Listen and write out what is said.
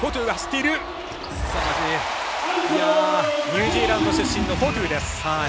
ニュージーランド出身のフォトゥです。